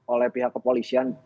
oleh pihak kepolisian